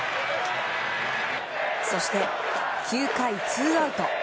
そして９回ツーアウト。